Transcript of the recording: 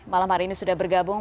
malam hari ini sudah bergabung